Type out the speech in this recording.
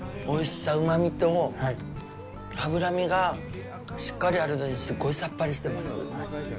おいしさ、うまみと脂身がしっかりあるのにすごいさっぱりしてます。